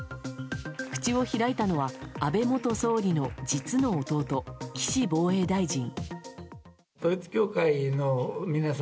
口を開いたのは安倍元総理の実の弟・岸防衛大臣。